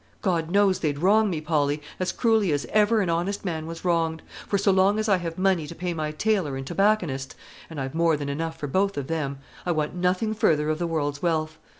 God knows they'd wrong me, Polly, as cruelly as ever an honest man was wronged; for, so long as I have money to pay my tailor and tobacconist, and I've more than enough for both of them, I want nothing further of the world's wealth.